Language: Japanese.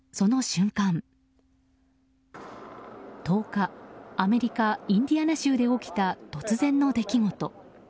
１０日、アメリカインディアナ州で起きた突然の出来事。